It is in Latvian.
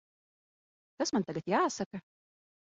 Kas man tagad jāsaka?